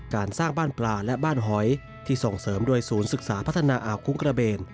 การสร้างบ้านปลาและบ้านหอยที่ส่งเสริมโดยศูนย์ศึกษาพัฒนาอาวคุ้งกระเบน